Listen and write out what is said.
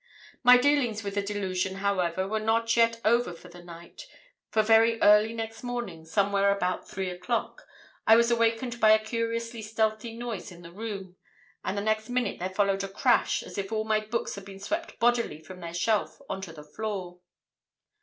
"My dealings with the 'delusion,' however, were not yet over for the night; for very early next morning, somewhere about three o'clock, I was awakened by a curiously stealthy noise in the room, and the next minute there followed a crash as if all my books had been swept bodily from their shelf on to the floor.